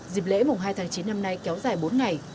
dịp lễ mùng hai tháng chín năm nay kéo dài bốn ngày